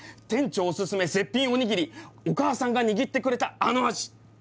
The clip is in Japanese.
店長おすすめ絶品おにぎりお母さんが握ってくれたあの味。